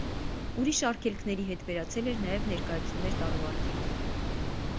Ուրիշ արգելքների հետ վերացել էր նաև ներկայացումներ տալու արգելքը։